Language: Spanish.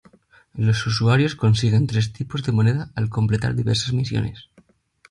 Los usuarios consiguen tres tipos de moneda al completar diversas misiones.